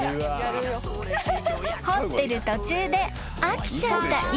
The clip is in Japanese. ［掘ってる途中で飽きちゃった犬］